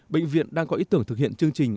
bệnh viện đang có ý tưởng thực hiện chương trình